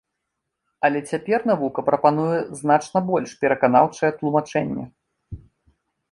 Але цяпер навука прапануе значна больш пераканаўчае тлумачэнне.